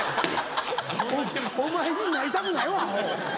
お前になりたくないわアホ。